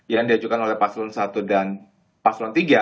yang diajukan oleh paslon satu dan paslon tiga